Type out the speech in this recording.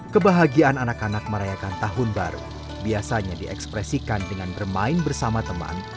kebahagiaan anak anak merayakan tahun baru biasanya diekspresikan dengan bermain bersama teman